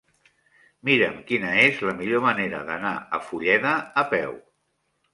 Mira'm quina és la millor manera d'anar a Fulleda a peu.